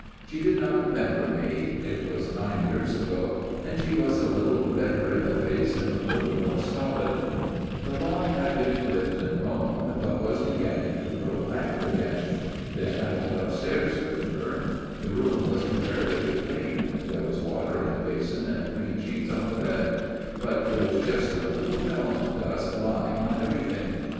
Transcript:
She did not remember me ; it was nine years ago ; and she was a little redder in the face and a little more stolid. " The lawn had been clipped and mown, but was beginning to grow rank again. Then I went upstairs with her. The room was comparatively clean ; there was water in the basin ; and clean sheets on the bed ; but there was just a little film of dust lying on everything.